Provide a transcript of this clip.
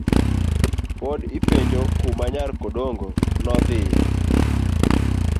Pod ipenjo kuma nyar kodongo no dhie.